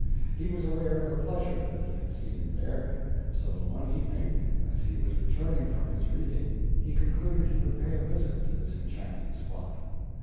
He was aware of the pleasure that he had seen there. So one evening, as he was returning from his reading, he concluded he would pay a visit to this enchanting spot.